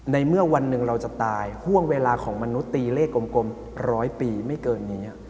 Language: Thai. ในเมื่อวันหนึ่งเราจะตายห่วงเวลาของมนุษย์ตีเลขกลมร้อยปีไม่เกินนี้